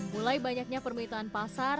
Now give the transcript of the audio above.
mulai banyaknya permilitan pasar